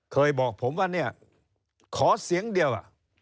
เคยบอกผมว่าขอเสียงเดียว